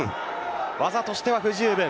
技としては不十分。